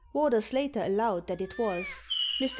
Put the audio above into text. Warder Slater allowed that it was. Mr.